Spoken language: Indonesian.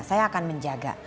saya akan menjaga